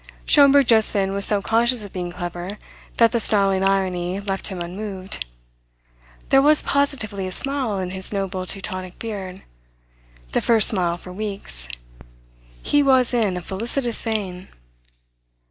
Schomberg just then was so conscious of being clever that the snarling irony left him unmoved. There was positively a smile in his noble Teutonic beard, the first smile for weeks. He was in a felicitous vein.